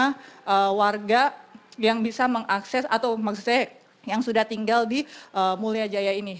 bagaimana warga yang bisa mengakses atau maksud saya yang sudah tinggal di mulia jaya ini